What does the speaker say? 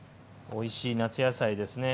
おいしい夏野菜ですね。